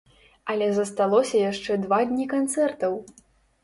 Але засталося яшчэ два дні канцэртаў!